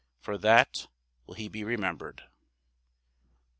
For that will he be remembered.